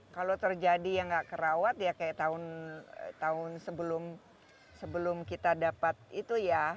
kalau terjadi yang tidak terawat ya kayak tahun sebelum kita dapat itu ya